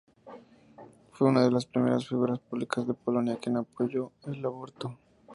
Fue una de las primeras figuras públicas de Polonia que apoyó el aborto.